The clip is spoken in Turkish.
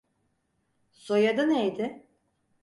Soyadı neydi?